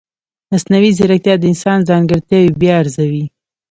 مصنوعي ځیرکتیا د انسان ځانګړتیاوې بیا ارزوي.